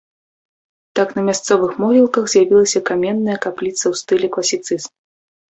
Так на мясцовых могілках з'явілася каменная капліца ў стылі класіцызм.